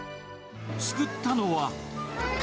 救ったのは。